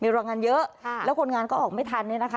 มีโรงงานเยอะแล้วคนงานก็ออกไม่ทันนะคะ